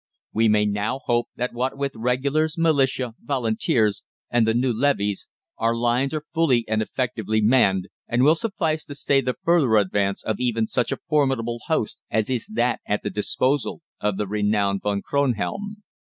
We may now hope that what with Regulars, Militia, Volunteers, and the new levies, our lines are fully and effectively manned, and will suffice to stay the further advance of even such a formidable host as is that at the disposal of the renowned Von Kronhelm.